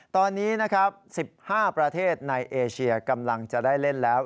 ตอนนี้นะครับ๑๕ประเทศในเอเชียกำลังจะได้เล่นแล้ว